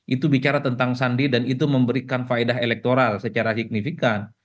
itu bicara tentang sandi dan itu memberikan faedah elektoral secara signifikan